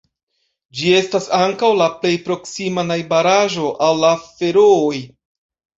Ĝi estas ankaŭ la plej proksima najbaraĵo al la Ferooj.